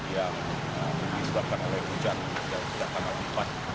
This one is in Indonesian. yang disebabkan oleh hujan yang datang ke tempat